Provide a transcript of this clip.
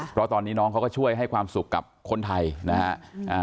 เพราะตอนนี้น้องเขาก็ช่วยให้ความสุขกับคนไทยนะฮะ